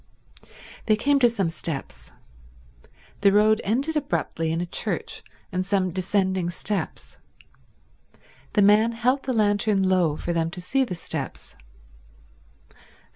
They came to some steps. The road ended abruptly in a church and some descending steps. The man held the lantern low for them to see the steps.